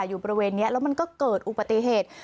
อยู่บริเวณนี้แล้วมันก็เกิดอุบัติเหตุ